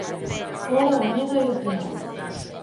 Fóra o medo e o temor.